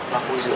laku di situ